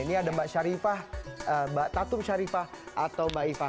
ini ada mbak tatum sharifah atau mbak ifah